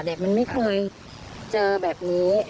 เด็กมันไม่เคยเจอแบบนี้